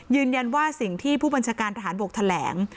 ยืนยันว่าสิ่งที่ผู้บัญชาการทหารบกแถลง